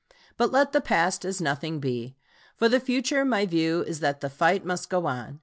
But let the past as nothing be. For the future my view is that the fight must go on.